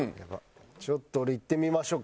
ちょっと俺いってみましょうか。